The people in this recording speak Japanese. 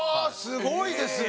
すごいですね！